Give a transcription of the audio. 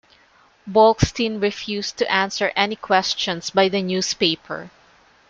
Bolkestein refused to answer any questions by the newspaper.